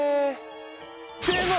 でも！